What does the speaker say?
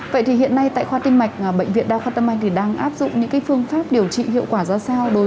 vậy thì hiện nay tại khoa tinh mạch bệnh viện đào khoa tâm anh đang áp dụng những phương pháp điều trị hiệu quả ra sao